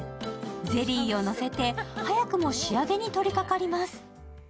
ゼリーをのせて、早くも仕上げに取りかかります。